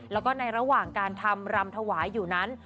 แล้วก็ในระหว่างการทำรำถวายอยู่นั้น